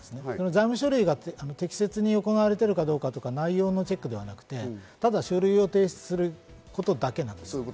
内部書類が適切に行われているかとか内容のチェックではなくて、ただ書類を提出することだけなんです。